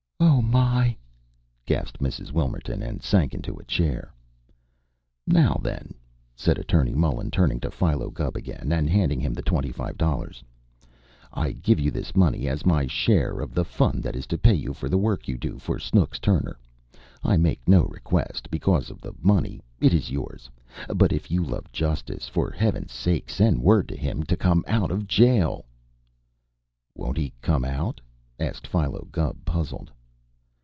"Oh, my!" gasped Mrs. Wilmerton, and sank into a chair. "Now, then!" said Attorney Mullen, turning to Philo Gubb again, and handing him the twenty five dollars, "I give you this money as my share of the fund that is to pay you for the work you do for Snooks Turner. I make no request, because of the money. It is yours. But if you love justice, for Heaven's sake, send word to him to come out of jail!" "Won't he come out?" asked Philo Gubb, puzzled.